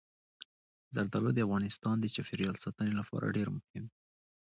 زردالو د افغانستان د چاپیریال ساتنې لپاره ډېر مهم دي.